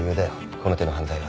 この手の犯罪は。